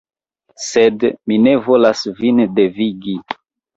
Sed mi ne volas vin devigi.